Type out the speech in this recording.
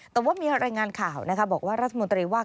แต่ว่ามีรายงานข่าวนะคะบอกว่ารัฐมนตรีว่า